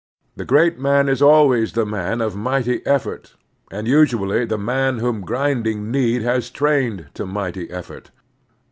The great man is always the man of mighty effort, and usually the man whom grindmg need has trained to mighty effort.